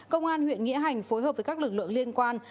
công an huyện nghĩa hành phối hợp với các lực lượng liên quan